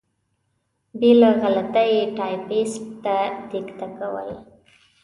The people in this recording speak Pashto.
بې له غلطۍ یې ټایپېسټ ته دیکته کول.